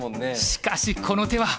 しかしこの手は。